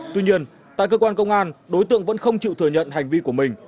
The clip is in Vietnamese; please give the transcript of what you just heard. tuy nhiên tại cơ quan công an đối tượng vẫn không chịu thừa nhận hành vi của mình